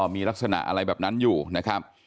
มีลักษณะอะไรแบบนั้นอยู่นะครับ